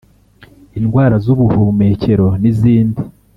indwaraz’ubuhumekero n’izindi.